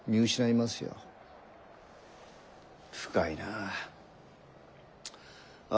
深いなあ。